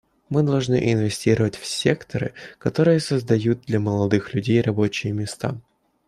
Мы должны инвестировать в секторы, которые создают для молодых людей рабочие места.